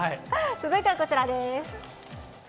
続いてはこちらです。